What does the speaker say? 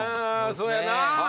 そうやな。